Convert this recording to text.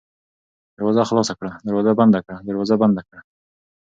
دروازه خلاصه کړه ، دروازه بنده کړه ، دروازه بنده کړه